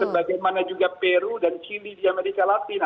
sebagaimana juga peru dan chile di amerika latin